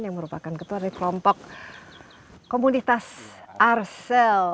yang merupakan ketua dari kelompok komunitas arsel